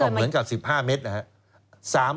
เหมือนกับ๑๕เมตรนะ